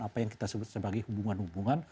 apa yang kita sebut sebagai hubungan hubungan